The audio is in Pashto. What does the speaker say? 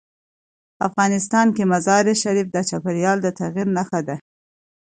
افغانستان کې مزارشریف د چاپېریال د تغیر نښه ده.